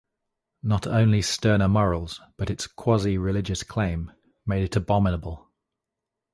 Not only sterner morals, but its quasi-religious claim, made it abominable.